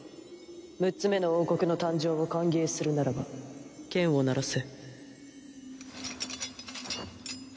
６つ目の王国の誕生を歓迎するならば剣を鳴らせ。